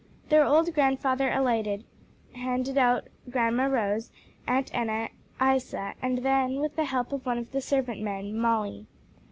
Their old grandfather alighted, handed out Grandma Rose, Aunt Enna, Isa, and then, with the help of one of the servant men, Molly.